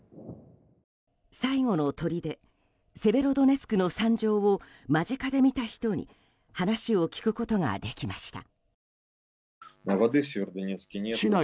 最後のとりでセベロドネツクの惨状を間近で見た人に話を聞くことができました。